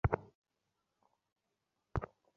আমি মনোরোগ বিশেষজ্ঞ।